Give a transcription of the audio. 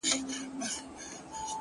• دي روح کي اغښل سوی دومره،